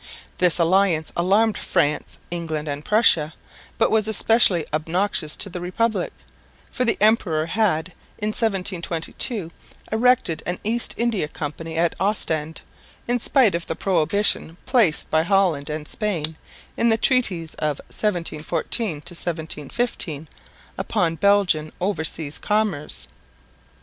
This alliance alarmed France, England and Prussia, but was especially obnoxious to the Republic, for the emperor had in 1722 erected an East India Company at Ostend in spite of the prohibition placed by Holland and Spain in the treaties of 1714 15 upon Belgian overseas commerce.